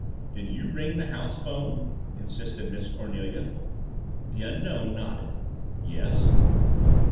"Did you ring the house phone?" insisted Miss Cornelia. The Unknown nodded. "Yes."